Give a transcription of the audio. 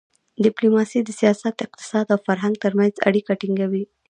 ډیپلوماسي د سیاست، اقتصاد او فرهنګ ترمنځ اړیکه ټینګوي.